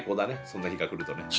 そんな日が来るとね。